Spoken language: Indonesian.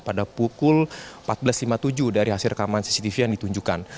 pada pukul empat belas lima puluh tujuh dari hasil rekaman cctv yang ditunjukkan